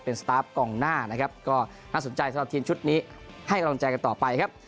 เป็นสตาร์ฟกองหน้านะครับก็น่าสนใจสำหรับทีมชุดนี้ให้กำลังใจกันต่อไปครับ